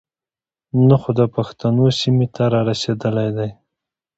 نۀ خو د پښتنو سيمې ته را رسېدلے دے.